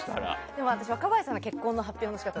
でも私若林さんの結婚の発表の仕方